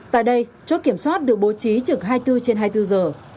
tại đây chốt kiểm soát được bố trí trực hai mươi bốn trên hai mươi bốn giờ